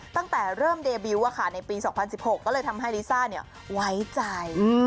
ตั้งแต่เริ่มเดบิวต์ในปี๒๐๑๖ก็เลยทำให้ลิซ่าไว้ใจ